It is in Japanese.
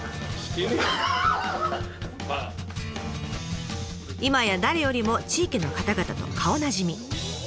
今や誰よりも地域の方々と顔なじみ。